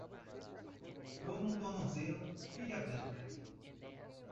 Dor no tornozelo, filha branca.